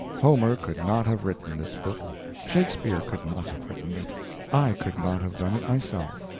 Homer could not have written this book, Shakespeare could not have written it, I could not have done it myself.